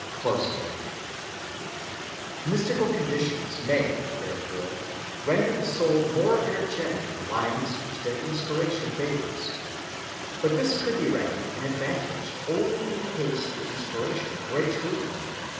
(260) Mystical conditions may, therefore, render the soul more energetic in the lines which their inspiration favors. But this could be reckoned an advantage only in case the inspiration were a true one.